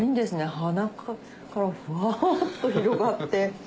鼻からふわっと広がって。